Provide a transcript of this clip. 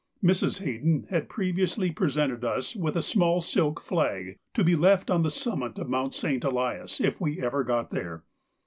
Mrs. Hayden had previously presented us with a small silk flag to be left on the summit of Mount St. Elias, if we ever got there.